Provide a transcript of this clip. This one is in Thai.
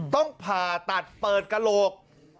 ต้องผ่าตัดเปิดกระโหลก